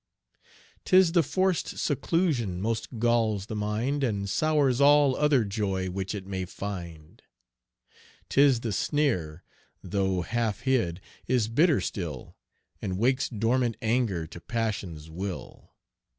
'Tis the forced seclusion most galls the mind, And sours all other joy which it may find. 'Tis the sneer, tho' half hid, is bitter still, And wakes dormant anger to passion's will.